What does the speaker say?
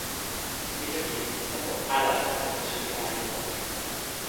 mi toki e ni: tenpo ala la, tenpo suli a li pona.